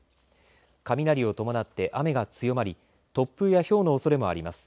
雷を伴って雨が強まり突風やひょうのおそれもあります。